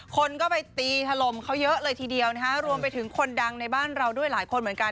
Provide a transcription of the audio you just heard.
คนก็ไปตีถล่มเขาเยอะเลยทีเดียวนะฮะรวมไปถึงคนดังในบ้านเราด้วยหลายคนเหมือนกัน